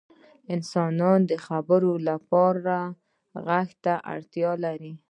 • انسانان د خبرو لپاره ږغ ته اړتیا لري.